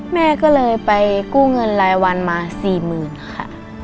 แม่ก็เลยไปกู้เงินรายวันมา๔๐๐๐ค่ะ